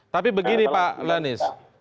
tapi begini pak lenis